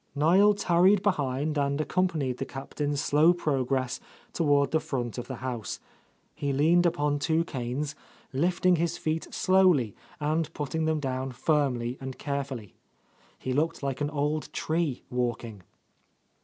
Niel tarried behind and accompanied the Cap tain's slow progress toward the front of the house. He leaned upon two canes, lifting his feet slowly and putting them down firmly and carefully. He looked like an old tree walking.